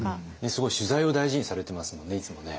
すごい取材を大事にされてますもんねいつもね。